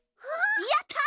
やった！